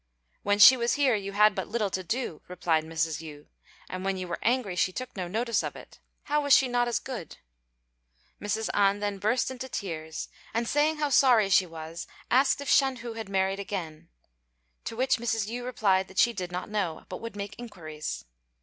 "When she was here you had but little to do," replied Mrs. Yü; "and when you were angry she took no notice of it. How was she not as good?" Mrs. An then burst into tears, and saying how sorry she was, asked if Shan hu had married again; to which Mrs. Yü replied that she did not know, but would make inquiries.